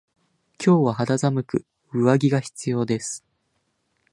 今日は肌寒く上着が必要です。